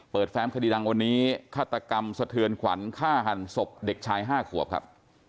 แฟมคดีดังวันนี้ฆาตกรรมสะเทือนขวัญฆ่าหันศพเด็กชาย๕ขวบครับ